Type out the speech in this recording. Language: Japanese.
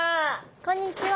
こんにちは。